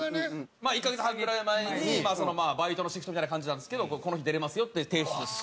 まあ１カ月半ぐらい前にバイトのシフトみたいな感じなんですけどこの日出れますよって提出。